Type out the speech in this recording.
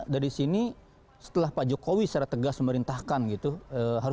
dari sini setelah pak jokowi secara tegas memerintahkan gitu